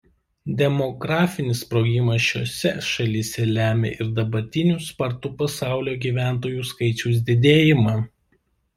Demografinis sprogimas šiose šalyse lemia ir dabartinį spartų pasaulio gyventojų skaičiaus didėjimą.